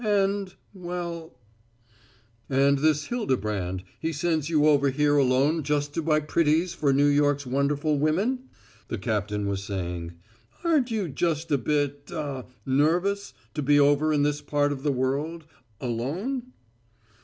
And well "And this Hildebrand, he sends you over here alone just to buy pretties for New York's wonderful women?" the captain was saying. "Aren't you just a bit ah nervous to be over in this part of the world alone?"